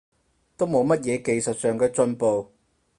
都冇乜嘢技術上嘅進步